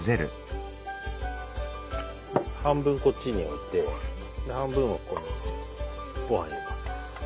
半分こっちに置いて半分はここにごはん入れます。